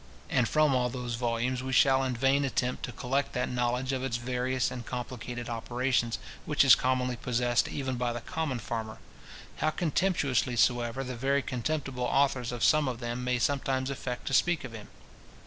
And from all those volumes we shall in vain attempt to collect that knowledge of its various and complicated operations which is commonly possessed even by the common farmer; how contemptuously soever the very contemptible authors of some of them may sometimes affect to speak of him.